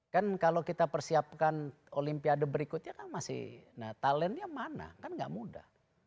kan kalau kita persiapkan olimpiade berikutnya kan masih nah talentnya mana kan gak mudah